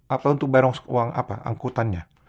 atau untuk bayar uang angkutannya